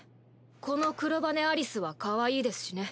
この黒羽アリスはかわいいですしね。